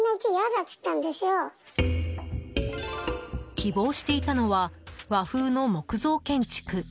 希望していたのは和風の木造建築。